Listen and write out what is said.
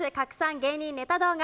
芸人ネタ動画！